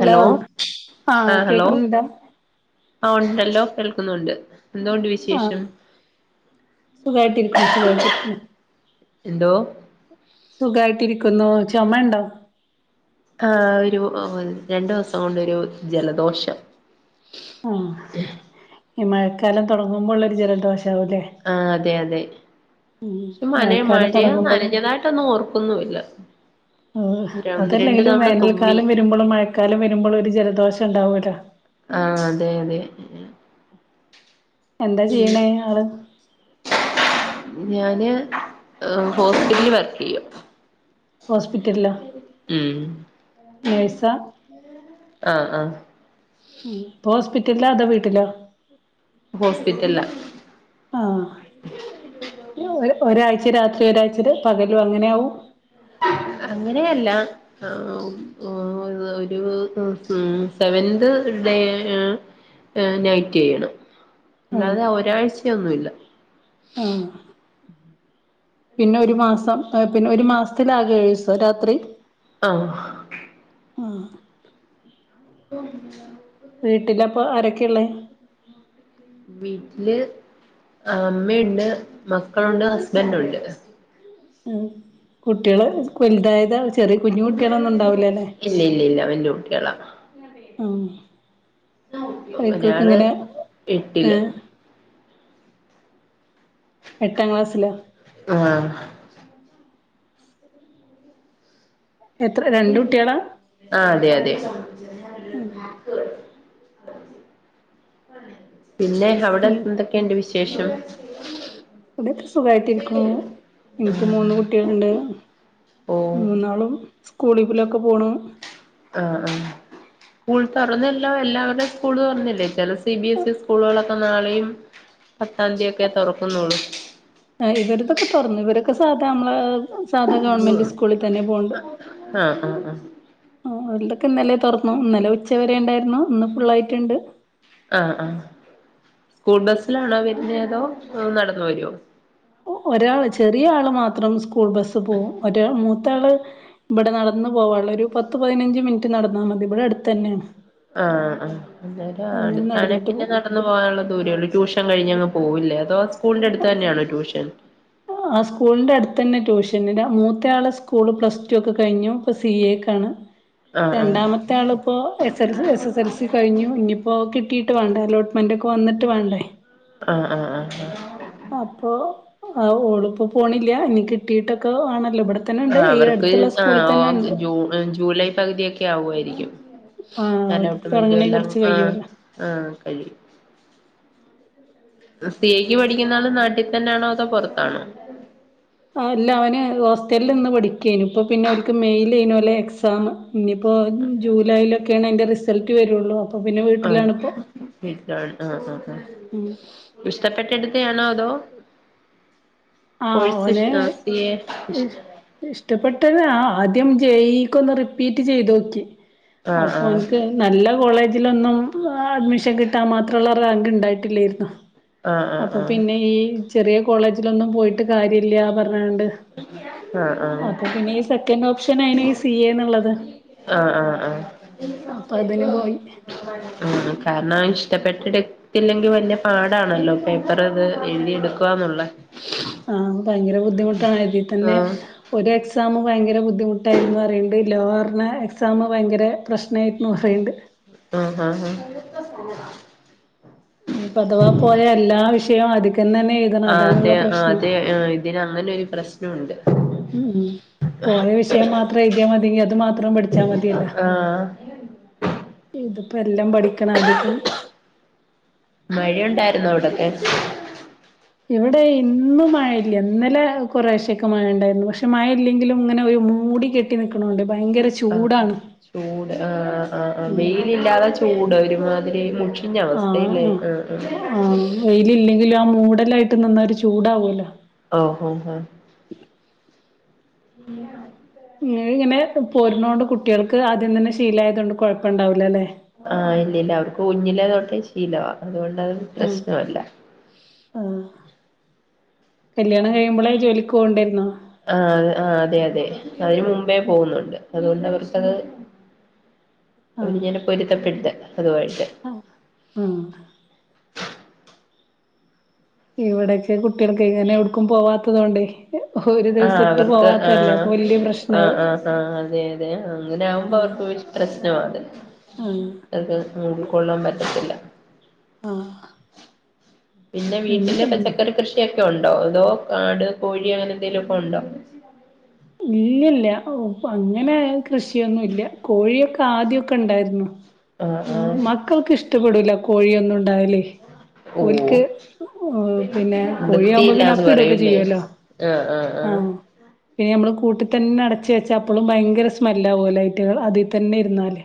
Hello ആ ആഹ് hello കേക്കുന്നുണ്ടോ ആ ഉണ്ടല്ലോ കേ ന്നുണ്ട് ആ സുഖായിട്ടിരിക്ക്ണു സുഖായിട്ടിരിക്ക്ണു എന്തോ സുഖായിട്ടിരിക്കുന്നു ചൊമെണ്ടോ? ആ ഒരു ഒ രണ്ടു ദിവസം കൊണ്ടൊരു ജലദോഷം ആ ഈ മഴക്കാലം തൊടങ്ങുമ്പോള്ളൊരു ജലദോഷം ണ്ടാവൂലെ ആ [inaudible] പക്ഷെ മന മഴയ തുടങ്ങുമ്പോഴും നനഞ്ഞതായിട്ടൊന്നും ഓർക്കുന്നുല്ല ഏഹ് ഒന്ന് രണ്ട് അതല്ലെങ്കിലും തവണ തുമ്മി വേനൽക്കാലം വരുമ്പോഴും മഴക്കാലം വരുമ്പോഴും ഒരു ജലദോഷം ഉണ്ടാവൂല്ലോ ആ അതെ അതെ എന്താ ചെയ്യണേ ആള് ഞാന് ഹോസ്പിറ്റലിൽ വർക്ക് യ്യാ ഹോസ്പിറ്റൽലാ നേഴ്സാ ആ ആ ഉം ഹോസ്പിറ്റലില അതോ വീട്ടിലോ ഹോസ്പിറ്റൽലാ ആഹ് [unintelligible] ഒരാഴ്ച രാത്രി ഒരാഴ്ചയിൽ പകലും അങ്ങനെയാവും അങ്ങനെയല്ല ഒരു സെവന്ത് ഡേ നൈറ്റ് ചെയ്യണം ആഹ് അല്ലാതെ ഒരാഴ്ച- ഇല്ല ഒന്നുമില്ല ആഹ് പിന്നെ ഒരു മാസം- പിന്നെ ഒരു മാസത്തില ആകേ ഏഴ് ദിവസം രാത്രി ആഹ് ആഹ് [unintelligible] വീട്ടിലപ്പൊ ആരൊക്കെയള്ളേ വീട്ടില് അമ്മയുണ്ട് മക്കളുണ്ട് ഹസ്ബൻറ് ഉണ്ട് കുട്ടികള് വലുതായതാ ചെറിയ കുഞ്ഞു കുട്ടിയളൊന്നും ഉണ്ടാവൂലല്ലെ ഇല്ല ഇല്ല ഇല്ല വല്യ കുട്ടികളാ ആഹ് അവർക്കൊക്കെ ഒരാൾ ഇങ്ങനെ എട്ടില് ഏഹ് എട്ടാം ക്ലാസ്സില ആഹ് എത്ര രണ്ട് കുട്ടികളാ ആഹ് അതെ അതെ [unintelligible] പിന്നെ അവിടെ ഉം എന്തൊക്കെയുണ്ട് വിശ് വിശേഷം ഇവിടെ ഒക്കെ സുഖായിട്ട് ഇരിക്കുന്നു എനിക്ക് മൂന്ന് കുട്ടികളുണ്ട് ഓ മൂന്നാളും- സ്കൂളിലൊക്കെ പോണ് ആ ആ സ്കൂൾ തുറന്നല്ലോ എല്ലാവരുടെയും സ്കൂള് തുറന്നില്ലേ ചില സി ബി എസ് ഇ സ്കൂളുകളൊക്കെ നാളെയും പത്താം തീയതി ഒക്കെ തുറക്കുന്നുള്ളു ആ ഇവരടെതെ ഒക്കെ തുറന്നു ഇവരൊക്കെ സാധാ നമ്മള- സാധാ ഗവൺമെന്റ് സ്കൂളിൽ തന്നെ പോനുണ്ട് ആഹ് ആഹ് ആഹ് ഇന്നല്ലെ തുറന്നു ഇന്നലെ ഉച്ച വരെ ഉണ്ടായിരുന്നു ഒന്ന് ഫുള്ളായിട്ടുണ്ട് ആആസ്കൂൾ ബസിലാണോ വരുന്ന അതോ നടന്ന് വരുവോ ഒരാള് ചെറിയ ആള് മാത്രം സ്കൂൾ ബസ്സ് പോകും ഒരാ മൂത്ത ആള് ഇവിടെ നടന്ന പോവാനുള്ള ഒരു പത്ത് പതിനഞ്ച് മിനിറ്റ് നടന്നാൽ മതി ഇവിടെ അടുത്ത് തന്നെയാണ് ആആ അന്നേരം അങ്ങനെ അടുത്തണെ നടന്നിട്ട് പിന്നെ പോവും നടന്ന് പോകാനുള്ള ദൂരേള്ളൂ ട്യൂഷൻ കഴിഞ്ഞങ് പോ - പോവൂല്ലേ അതോ ആ സ്കൂളിന്റെ അടുത്ത് തന്നെയാണോ ട്യൂഷൻ? ആ സ്കൂളിന്റെ അടുത്ത തന്നെ ട്യൂഷൻന്റെ മൂത്ത ആളെ സ്കൂള് പ്ലസ് ടു ഒക്കെ കഴിഞ്ഞു ഇപ്പ സി എ ക്കാണ് ആഹ് ആഹ് രണ്ടാമത്തെ ആളിപ്പോ A A S S L C കഴിഞ്ഞു ഇനിയിപ്പോ കിട്ടിട്ട്- വേണ്ട അലോ്മെന്റ് ഒക്കെ വന്നട്ട് വേണ്ടേ ആആ ആ അപ്പൊ ആ ഓളിപ്പോ പോണില്ല ഇനി കിട്ടിയിട്ടൊക്കെ ആണല്ലോ ഇവിടെ തന്നെ ആ ഉണ്ട് ഈ അവർക്ക് അടുത്തുള്ള സ്കൂളിൽ ആഓ തന്നെ ഉണ്ട് ജൂലൈ പകുതിയക്കെ ആവായിരുന്നു രിക്കും ആഹ് ഓര് അലൗട്ട്മെന്റും തുടങ്ങണേ എല്ലാം കുറച്ച് ആ കഴിയുവല്ലോ ആ കഴയും സി ഐക്ക് പഠിക്കുന്ന ആള് നാട്ടിൽ തന്നൊണോ അതോ പുറത്താണോ ആ അല്ല അവന് ഹോസ്റ്റലിൽ നിന്ന് പഠി ഇപ്പ പിന്നെ ഓൽക്ക് മെയിൽ [unintelligible] നലെ എക്സാം ഇന്നിപ്പോ ജൂലൈല ഒക്കെയാണ് അതിന്റെ റിസൾട്ട് വരുള്ളൂ പിന്നെ ആ വീട്ടിലാണിപ്പോ ആ ആ ഉം ഇഷ്ടപ്പെട്ടടുത്ത് എക്ക ആണോ അതോ ആ കോഴ്സ് അവനെ സി എ ഇഷ്ടപ്പെട്ടന്ന അ ആദ്യം ജേയിക്ക ഒന്ന് റിപ്പീറ്റ് ചെയ്തോക്കി ആഹ് അപ്പൊ ആഹ് എനിക്ക് നല്ല കോളേജ് അതിലൊന്നും അഡ്മിഷൻ കിട്ടാ മാത്രല്ല അ അങ് ഉണ്ടായിട്ടില്ലായിരുന്നു ആഹ് അപ്പൊ ആഹ് പിന്നെ ഈ ചെറിയ കോളേജിലൊന്നും പോയി ട് കാര്യഇല്ലാ ആആ പിന്നെ ഈ സെക്കൻഡ് ഓപ്ഷൻ ആയിന് ഈ സി എ എന്നുള്ളത് ആ ആ ആ അപ്പൊ അതിന് പോയി കാരണം അവ ഇഷ്ടപ്പെട്ട് എട് ത്തില്ലെങ്കി വലിയ പാടാണല്ലോ പേപ്പർ അത് എഴുതി എടുക്കവാന്നുള്ള ആ ഭയങ്കര ബുദ്ധിമുട്ടാണ് അതിൽ തന്നെ ആഹ് ഒരു എക്സാമും ഭയങ്കര ബുദ്ധിമുട്ടായിരുന്നു പറയുന്നുണ്ട് ലോവറിന് എക്സാം ഭയങ്കര പ്രശ്നമായിന്ന് പറയുന്നുണ്ട് ആഹ ഹഹ ഹ ഇനിപ്പ അഥവാ പോയ എല്ലാ വിഷ യം അത് ആ അതെ അതെ ഇതിന് അങ്ങനെ ഒരു പ്രശ് പ്രശ്നമുണ്ട് ഉം പോയ വിഷയം മാത്രം എഴുതിയാൽ മതിങ്കി അത് മാത്രം പടിച്ചാ മതിയല്ലോ. ആഹ് ഇതിപ്പോ എല്ലാം പഠിക്കണ ആദിക്കന്ന് മഴയുണ്ടായിരുന്നോ അവിടൊക്കെ ഇവിടെ ഇന്നും മഴയില്ല ഇന്നലെ കൊറഴ്ശൊക്കെ മഴ ഉണ്ടായിരുന്നു. പക്ഷെ മഴ ഇല്ലെങ്കിലും ഇങ്ങനെ ഒരു മൂടി കെട്ടി നിക്കണോണ്ട്, ഭയങ്കര ആ ചൂടാണ് ചൂട് ആ ആ് ഉം വെയില് ഇല്ലാതെ ചൂട് ഒരുമാ തിരി മു ഞ്ഞ ആഹ് അവസ്ഥയില്ലേ ആഹ് ആ ആ ടായിട്ട് നിന്നരു ചൂടാവൂലോ. ഓ ഹഹ ഇങ്ങ ഇങ്ങനെ പൊരനോണ്ട് കുട്ട ട്ടികൾക്ക് അദ്യം തന്ന ശീലായതോണ്ട് കുഴ ണ്ടാവൂല്ലല്ലേ ആഹ് ഇല്ലില്ല അവർക്ക് കുഞ്ഞിലെതൊട്ടെ ശീ ലവ അതോ ണ്ടത് പ്രശ്നല്ല ആ കല്യാണം കഴിയുമ്പോളെ ജോലിക്ക പോണ്ടെരുന്ന ആഹ് ആഹ് അതെ അതെ അതിന് മുമ്പേ പോകുന്നുണ്ട് അതുകൊണ്ട് അവർക്കത് അവര് ആഹ് ഞാന പൊരുത്തപ്പെട്ട് അതു ആയിട്ട് ആഹ് ആഹ് ഇവിടക്കെ കുട്ടികൾക്ക് ഇങ്ങനെ എവിടക്കും പോവാത്തതോണ്ടേ ആഹ് അവർക്ക് ആഹ് വല്യ ആഹ് പ്രശ്നാവും ആഹ് ആഹ് അതെ അതെ അങ്ങനെ ആവുമ്പോ ഉം അവർക്ക് പ്രശ്നം അത് ആഹ് അത് ഉൾക്കൊള്ളാൻ പറ്റത്തില്ല. ആഹ്. പിന്നെ എൻ വീട്ടില് എൻ പച്ചക്കറി കൃഷിയൊക്കെ ഒണ് ഉണ്ടോ അതോ കാട് കോഴി അങ്ങനെ എന്തെലു ഒക്കെ ഒണ്ടോ ഇല്ലല്ല ഓ അങ്ങനെ കൃഷിയൊന്നും ഇല്ല കോഴിയൊക്കെ ആദ്യൊക്കെ ഇണ്ടായിരുന്നു. ആഹ് ആഹ് മക്കൾക്ക് ഇഷ്ടപ്പെടൂല്ല കോഴിയൊന്ന ണ്ടാവല്ലെ ഓ ഓൽക്ക് പിന്നെ കോഴിയാവുമ്പോ പിന്നെ വൃത്തിയില്ലാന്ന് അപ്പിടൊക്കെ പറയൂല്ലേ ചെയ്യുവല്ലോ ആഹ്. പിന്നെ നമ്മൾ കൂട്ടി തന്നെ അടച്ച് വെച്ചാ അപ്പളും ഭയങ്കര സ്മെല്ലാവുലെ ഇവറ്റകൾ അതിൽത്തന്നെ ഇരുന്നാല്.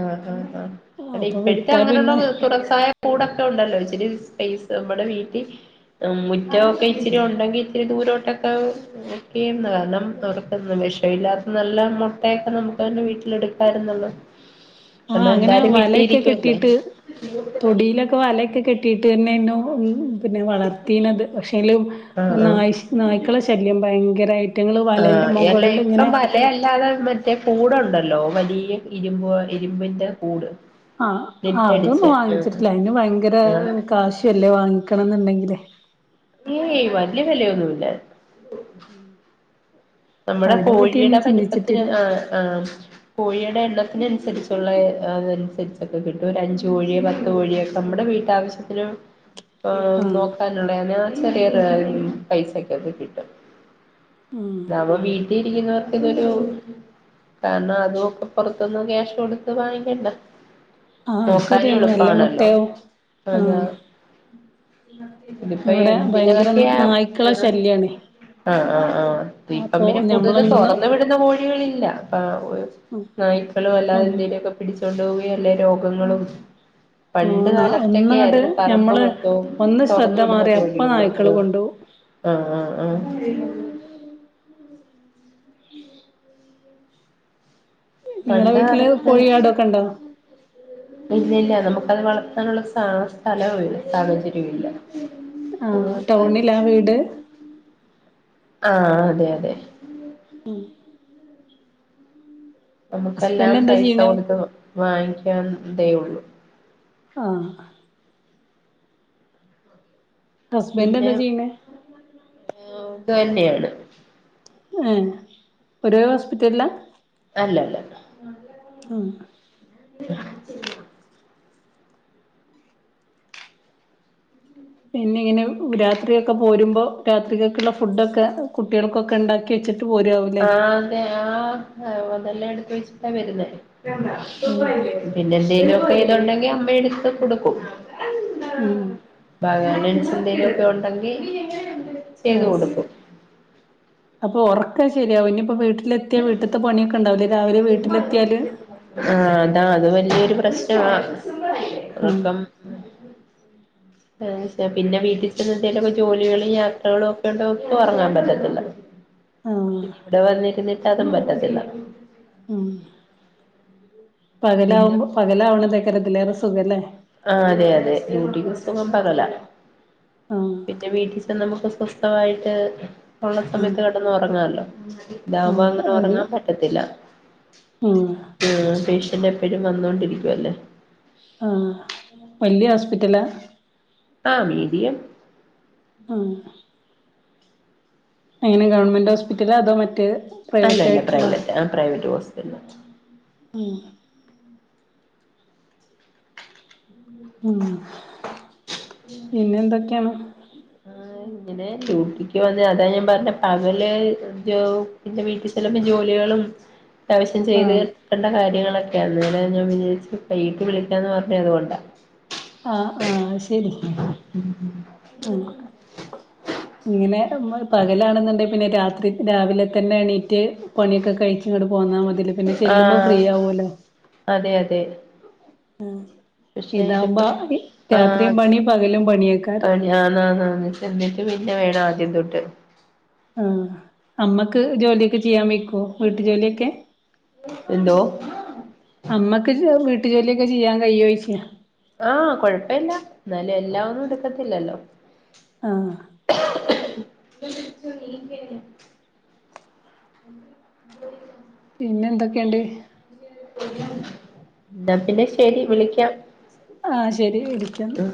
ആഹ് ആഹ് ആഹ് അല്ലെ അപ്പൊ ഇപ്പഴത്തെ വിട്ടാ അങ്ങനുള്ള പിന്നെ വീ തുടസായ കൂടൊക്കെ ഉണ്ടല്ലോ ഇച്ചിരി പ്ലെയ്സ് നമ്മുടെ വീട്ടി ഉം മുറ്റൊക്കെ ഇച്ചിരി ഉണ്ടെങ്കി ഇച്ചിരി ദൂരോട്ടൊക്കെ ഒക്കെന്ന് ഏഹ് കാരണം ഏ അവർക്ക് വിഷവില്ലാത്ത നല്ല മുട്ടയൊക്കെ നമുക്ക് തന്നെ വീട്ടിലെക്കാടുക്കാര് ന്നുള്ള ആഹ് അങ്ങനെ വലയൊക്കെ കെട്ടീട്ട് തൊടിയിലൊക്കെ വലയൊക്കെ കെട്ടീട്ട് തന്നെ നോ ഊ പിന്നെ വളർത്തീന്നത് പക്ഷേല് ആഹ് ആഹ് നായി ഷ് നായ്ക്കളെ ശല്യം ഭയങ്കരായ് ആഹ് എല്ലേ ഇപ്പം വലയല്ലാതെ മറ്റേ കൂടുണ്ട് ലോ വലിയ ഇരുമ്പൊ ഇരുമ്പിന്റെ കൂട് ആഹ് ആ നെറ്റടിച്ച് അതൊന്നും ആഹ് വാങ്ങിച്ചിട്ടില്ല അതിന് ഭയങ്കര ആഹ് കാശു അല്ലേ വാങ്ങിക്കണം ന്ന്ണ്ടെങ്കിൽ തെ ഏയ് വല്യ വെലയൊന്നൂല്ല ആ നമ്മുടെ കോഴിടെ വലിപ്പത്തിന ആഹ് ആഹ് കോഴിടെ എ എണ്ണത്തിനനുസരിച്ചുള്ള ഏ അതനുസരിച്ചൊക്കെ കിട്ടും ഒരഞ്ച് കോഴിയോ പത്ത് കോഴിയെ ഒക്കെ നമ്മുടെ വീട്ടാവശ്യത്തിന് ആഹ് നോക്കാനുള്ളയാ ഞാൻ ചെറിയൊരളവിൽ പൈസക്കെ കിട്ടീട്ടുണ്ട്. ഉം നവവീതി ചെയ്യുന്നവർക്ക് ഇതൊരു കാരണം അതൊക്കെ പുറത്തുന്ന് ക്യാഷ് കൊടുത്ത് വാങ്ങിക്കണ്ട. ആഹ് നോക്കാനും ശരിയാണ് നല്ല എളുപ്പാണല്ലോ മുട്ടയും ആഹ് [unintelligible] ഇതിപ്പൊ ഇവിടെ ഭയങ്കര എന്തിനൊക്ക്യാ നായ്ക്കളെ ശല്യാണേ ആഹ് ആഹ് ആഹ് ഇപ്പം അപ്പൊ പിന്നെ കൂടുതലും ഞമ്മളൊന്ന് തുറന്നു വിടുന്ന കോഴികളില്ല ആഹ് ഒ നായ്ക്കളോ അല്ലാതെ ഉം എന്തേലൊക്കെ പിടിച്ചോണ്ട് പോ കയല്ലേ രോഗങ്ങളും ഓ പണ്ട് കാലത്തെക്കെ ഒന്നങ്ങട്ട് ആയിരുന്ന് പറമ്പ് ഞമ്മള് മൊത്തവും ഒന്ന് തൊറന്നു ശ്രദ്ധ വിടുന്ന മാറി അപ്പ കോഴികള് നായ്ക്കള് കൊണ്ടോവും ആഹ് ആഹ് ആഹ് നിങ്ങളെ പണ്ട് വീട്ടില് കാലത്ത് കോഴിയാടൊക്കെ ഉണ്ടോ ഇല്ലില്ല നമു അത് വളർത്താനുള്ള സ്ഥാ സ്ഥലവുല്ല സാഹചര്യവും ഇല്ല. ആഹ് അതുകൊണ്ട് ടൗണിലാ വീട് ആഹ് അതെ അതെ നമുക്കെല്ലാം ഹസ്ബൻഡ് എന്താ പൈസ ചെയ്യണേ കൊടുത്ത് വ വാങ്ങിക്കാ അതെ ഉള്ളൂ. ആഹ് പിന്നെ ഹസ്ബന്റെന്താ ചെയ്യണേ? ത് തന്നെയാണ് ഏഹ് ഒരേ ഹോസ്പിറ്റലിലാ? അല്ല അല്ല ആഹ് ശ പിന്നെ ഇങ്ങനെ രാത്രിയൊക്കെ പോരുമ്പോ രാത്രി ക്കേക്കുള്ള ഫുഡൊക്കെ കുട്ടികൾക്കൊക്കെ ഉണ്ടാക്കി വെച്ചിട്ട് പോരുവാവൂല്ലേ ആഹ് അതെ ആഹ് [unintelligible] എല്ലാ എടുത്തു വെച്ചിട്ടാ വരുന്നേ ഉം പിന്നെ എന്തേലും പപ്പെതുണ്ടെങ്കി അമ്മ എടുത്ത് കൊടുക്കും. ഉം [unintelligible] ഉണ്ടെങ്കി ചെയ്തു ആഹ് കൊടുക്കും. അപ്പൊ ഉറക്കെ ശരിയാവും ഇനിയിപ്പോ വീട്ടിലെത്തിയാ വീട്ടത്തെ പണിയൊക്കെ ഉണ്ടാവില്ലേ രാവിലെ വീട്ടിലെത്തിയാല് ആഹ് അതാ അത് വലിയ ഒരു പ്രശ്ന ആഹ് ഉറക്കം പിന്നെ വീട്ടിൽ എന്തേലുംക്ക ജോലികളും യാത്രകളും ഒക്കെണ്ട് നോി ഉറങ്ങാൻ പറ്റത്തില്ല ആഹ് പിന്ന ഇവിടെ വന്നിരുന്നിട്ട് അതും പറ്റത്തില്ല ഉം പിന്നെ പകലാവുമ്പോ പലാവണ തേക്കരത്തില്ല സഖല്ലേ ആ അതെ അതെ യൂട്ടബ സുഖം പകല ആഹ് പിന്നെ വീട്ടിൽ ച നമുക്ക് സ്വസ്ഥമായിട്ട് ഉള്ള ആഹ് സമയത്ത് കെട്ടന്ന് ഉറങ്ങാല്ലോ ഇതാവുമ്പോ ആഹ് അങ്ങനെ അത് ഉറങ്ങാൻ പറ്റത്തില്ല ഉം ആ പേഷ്യന്റ് എപ്പോഴും വന്നോൊണ്ടിരിക്കുവല്ലേ വലിയ ഹോസ്പിറ്റലാ ആ മീഡിയം ആഹ് അങ്ങനെ ഗവൺമെന്റ് ഹോസ്പിറ്റല അതോ മറ്റേ പ്രൈവറ്റ് അല്ലല്ല ആയിട്ടുള്ളോ പ്രൈവറ്റ് ആ പ്രൈവറ്റ് [inaudible] ആ ഉം പിന്നെ എന്തൊക്കെയാണ് ഇങ്ങനെ ഡ്യൂട്ടിക്ക് വന്ന അതാ ഞാൻ പറഞ്ഞ പകല് പിന്റെ വീട്ടിൽ ചെല്ലുമ്പോ ജോലികളും ത്യാവശ്യം ചെയ്ത് ആഹ് തീക്കേണ്ട കാര്യങ്ങൾ ക്കെ അന്നേരം ഞാൻ വിചാരിച്ചു പട്ട് വിളിക്കാന്ന് പറഞ്ഞത് അതുകൊണ്ടാ ആഹ് ആഹ് ശ ആ ഇങ്ങനെമ്മ പകലാണെന്നുണ്ടെ പിന്നെ രാത്രി രാവിലെ തന്നെ എണീറ്റ് പണിയൊക്കെ കഴിച്ച ഇങ്ങോട്ട് പോന്നാ മതില് പിന്നെ ചെല്ലുമ്പോ ഫ്രീ ആവലോ തെ മം പക്ഷെ ഇതിപ്പം ആ പണി പകലും പണിയേക്കാരം ഞാനാ എന്നെന്നിട്ട് പിന്നെ വേണ ന്തൂട്ട് ആ അമ്മക്ക് ജോലിയൊക്കെ ചെയ്യാൻ വെയ് വീട്ടു ജോലിയൊക്കെ എന്തോ അമ്മക്ക് വീട്ട് ജോലിയൊക്കെ ചെയ്യാ കയ്യൊയ്ക്കോ ആഹ് കൊഴപ്പമില്ല എന്നാലും എല്ലാം ഒന്നും എടുക്കത്തില്ലല്ലോ ആ [unintelligible] ഉ പിന്നെ എന്തൊക്കേണ്ട് ന്നാ പിന്നെ ശരി വിളിക്കാം ആഹ് ശരി വിളിയ്ക്കാന്ന് ഉം